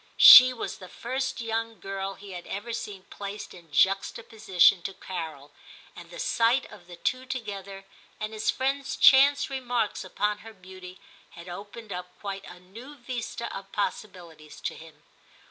She was the first young girl he had ever seen placed in juxtaposition to Carol, and the sight of the two together, and his friend's chance remarks upon her beauty, had opened up quite a new vista of possibilities to him.